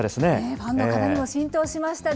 ファンの方にも浸透しましたね。